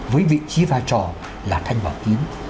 với vị trí vai trò là thanh bảo kiến